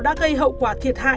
đã gây hậu quả thiệt hại